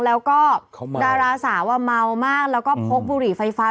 แล้วก็ดาราสาวเมามากแล้วก็พกบุหรี่ไฟฟ้า